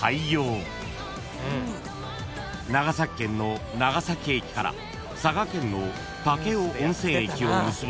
［長崎県の長崎駅から佐賀県の武雄温泉駅を結ぶ］